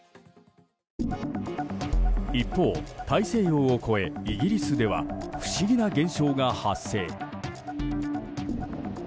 一方、大西洋を越えイギリスでは不思議な現象が発生。